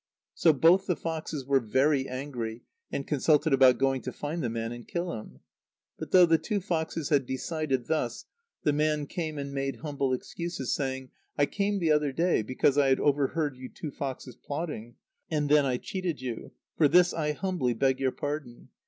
So both the foxes were very angry, and consulted about going to find the man and kill him. But though the two foxes had decided thus, the man came and made humble excuses, saying: "I came the other day, because I had overheard you two foxes plotting; and then I cheated you. For this I humbly beg your pardon.